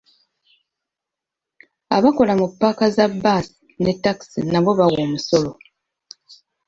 Abakola mu ppaaka za bbaasi ne ttakisi nabo bawa omusolo.